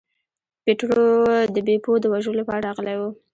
پیټرو د بیپو د وژلو لپاره راغلی و.